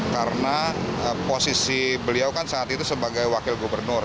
karena posisi beliau kan saat itu sebagai wakil gubernur